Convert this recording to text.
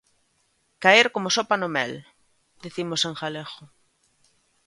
Caer como sopa no mel, dicimos en galego.